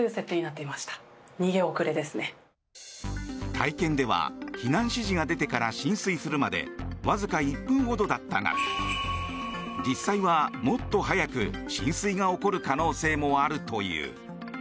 体験では避難指示が出てから浸水するまでわずか１分ほどだったが実際はもっと早く浸水が起こる可能性もあるという。